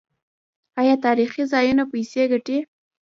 آیا تاریخي ځایونه پیسې ګټي؟